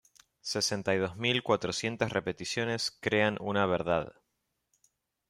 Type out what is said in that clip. Sesenta y dos mil cuatrocientas repeticiones crean una verdad.